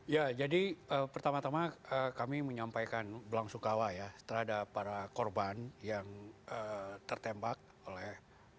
ya jadi pertama tama kami menyampaikan belangsukawa ya terhadap para korban yang tertembak oleh